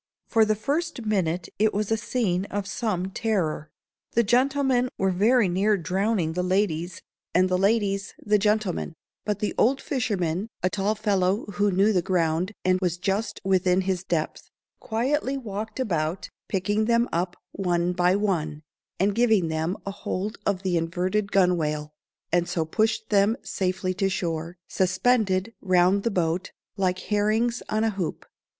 For the first minute it was a scene of some terror. The gentlemen were very near drowning the ladies, and the ladies the gentlemen; but the old fisherman, a tall fellow who knew the ground, and was just within his depth, quietly walked about, picking them up one by one, and giving them a hold of the inverted gunwale, and so pushed them safely to shore, suspended round the boat, like herrings on a hoop.